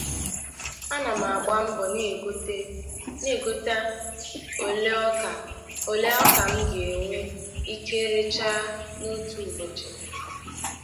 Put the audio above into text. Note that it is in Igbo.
Ana m agba mbọ na-egota ole ọka m ga-enwe ike rechaa n’otu ụbọchị